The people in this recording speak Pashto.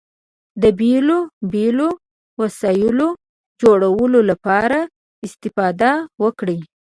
د بېلو بېلو وسایلو جوړولو لپاره استفاده وکړئ.